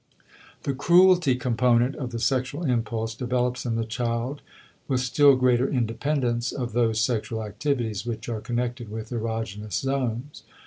The cruelty component of the sexual impulse develops in the child with still greater independence of those sexual activities which are connected with erogenous zones.